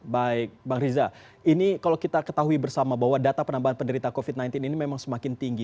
baik bang riza ini kalau kita ketahui bersama bahwa data penambahan penderita covid sembilan belas ini memang semakin tinggi